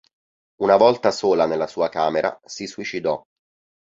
Una volta sola nella sua camera, si suicidò.